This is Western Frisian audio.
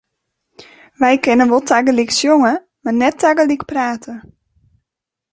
Wy kinne wol tagelyk sjonge, mar net tagelyk prate.